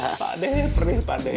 eh pakde perih pakde